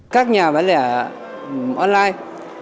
các nhà bán lẻ online